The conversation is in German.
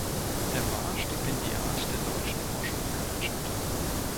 Er war Stipendiat der Deutschen Forschungsgemeinschaft.